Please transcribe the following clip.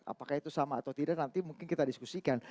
apakah itu sama atau tidak nanti mungkin kita diskusikan